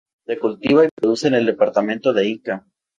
Se cultiva y produce en el departamento de Ica.